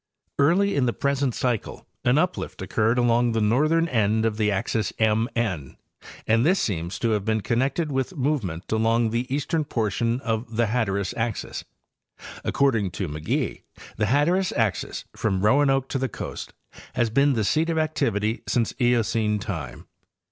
—; Early in the present cycle an uplift occurred along the north ern end of the axis MN, and this seems to have been con nected with movement along the eastern portion of the Hatteras "axis. According to McGee, the Hatteras axis, from Roanoke to the coast, has been the seat of activity since Eocene time.